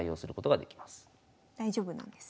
大丈夫なんですね。